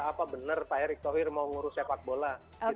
apa benar pak erick thohir mau ngurus sepak bola